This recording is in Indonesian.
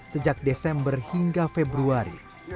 sejak desember hingga februari